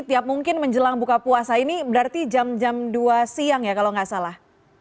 tiap mungkin menjelang buka puasa ini berarti jam jam dua siang ya kalau nggak salah